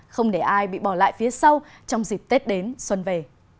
không để ai bị bỏ lại phía sau trong dịp tết đến xuân về